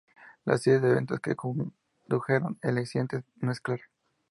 La serie de eventos que condujeron al accidente no es clara.